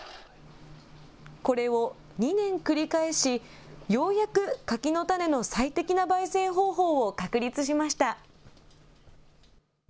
これを２年繰り返し、ようやく柿の種の最適なばい煎方法を確立しました。